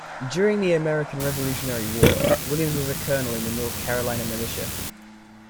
During the American Revolutionary War, Williams was a colonel in the North Carolina militia.